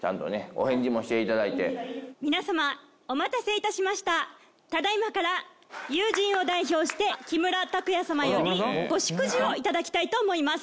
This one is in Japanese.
お返事もしていただいて皆様お待たせいたしましたただいまから友人を代表してをいただきたいと思います